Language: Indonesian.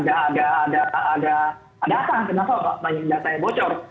apakah memang ada data kenapa banyak datanya bocor